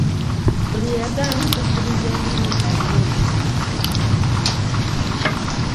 Buli eyagaana okukkiriza enjiri alina omusango.